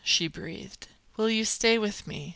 she breathed. "Will you stay with me?